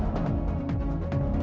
aih bener juga